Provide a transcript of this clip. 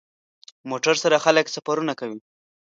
موټر سره خلک سفرونه کوي.